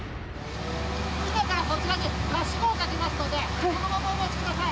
今からそちらにはしごをかけますのでそのままお待ちください！